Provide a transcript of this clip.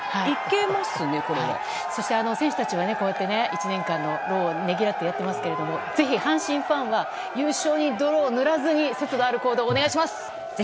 そして選手たちが１年間の労をねぎらってやっていますけどぜひ、阪神ファンは優勝に泥を塗らずに節度ある行動をお願いします。